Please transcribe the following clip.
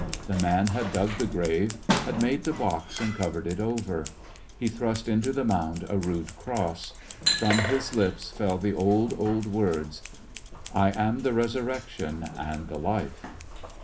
The man had dug the grave, had made the box and covered it over; he thrust into the mound a rude cross;* from his lips fell the old, old words, ^^ I am the A Chri8tma8 When Resurrection and the Life."